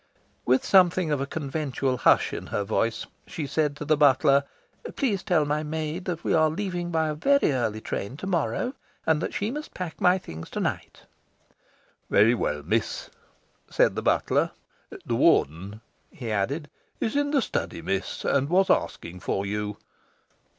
With something of a conventual hush in her voice, she said to the butler, "Please tell my maid that we are leaving by a very early train to morrow, and that she must pack my things to night." "Very well, Miss," said the butler. "The Warden," he added, "is in the study, Miss, and was asking for you."